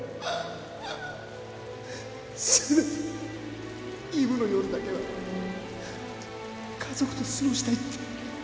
せめてイブの夜だけは家族と過ごしたいって。